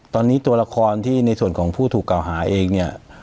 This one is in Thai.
ตอนนี้ตัวละครที่ในส่วนของผู้ถูกเก่าหาเองเนี่ย